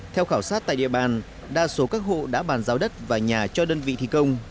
theo khảo sát tại địa bàn đa số các hộ đã bàn giao đất và nhà cho đơn vị thi công